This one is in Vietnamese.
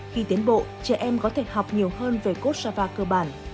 khi tiến bộ trẻ em có thể học nhiều hơn về code java cơ bản